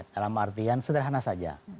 dalam artian sederhana saja